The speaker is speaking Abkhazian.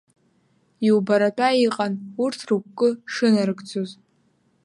Иубаратәа иҟан, урҭ рықәкы шынарыгӡоз.